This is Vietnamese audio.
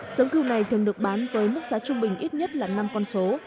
sống cừu này thường được bán với mức giá trung bình ít nhất là năm con số